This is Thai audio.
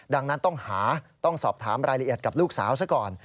ดังนั้นต้องหาต้องสอบถามรายละเอียดกับลูกสาวซะก่อน